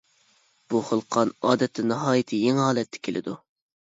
بۇ خىل قان ئادەتتە ناھايىتى يېڭى ھالەتتە كېلىدۇ.